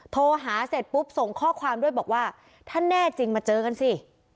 โทรหาเสร็จปุ๊บส่งข้อความด้วยบอกว่าถ้าแน่จริงมาเจอกันสิ